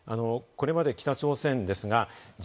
これまで北朝鮮ですが、